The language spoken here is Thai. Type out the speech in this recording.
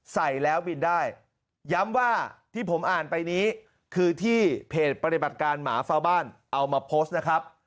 ใส่แล้วบินได้ย้ำว่าที่ผมอ่านไปนี้คือที่เพจปฏิบัติการหมาเฝ้าบ้านเอามาโพสต์นะครับ